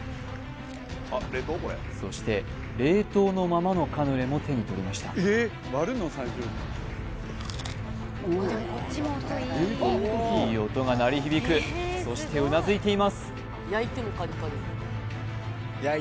そして冷凍のままのカヌレも手に取りましたいい音が鳴り響くそしてうなずいています